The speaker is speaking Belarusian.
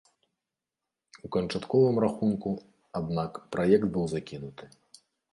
У канчатковым рахунку, аднак, праект быў закінуты.